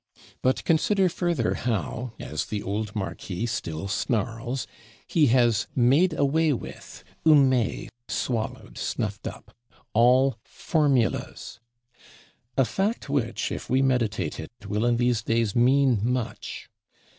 But consider further how, as the old Marquis still snarls, he has "made away with (humé, swallowed, snuffed up) all Formulas"; a fact which, if we meditate it, will in these days mean much.